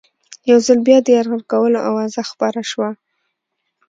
یو ځل بیا د یرغل کولو آوازه خپره شوه.